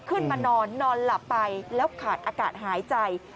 ขึ้นมานอนนอนหลับไปแล้วขาดอากาศหายใจ